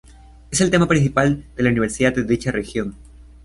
Es el tema principal de la universidad de dicha región.